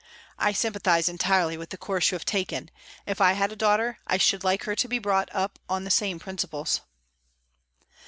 I sympathize entirely with the course you have taken. If I had a daughter, I should like her to be brought up on the same principles."